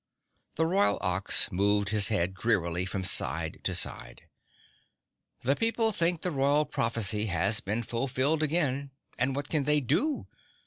The Royal Ox moved his head drearily from side to side. "The people think the Royal Prophecy has been fulfilled again and what can they DO?